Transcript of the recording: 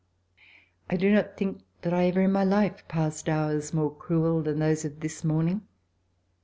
I do not think that I ever in my life passed hours more cruel than those of this morning.